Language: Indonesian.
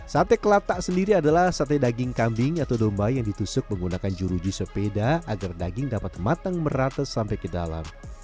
sate kelak tak sendiri adalah sate daging kambing atau domba yang ditusuk menggunakan juruju sepeda agar daging dapat matang merata sampai ke dalam